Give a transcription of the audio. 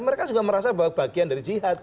mereka juga merasa bahwa bagian dari jihad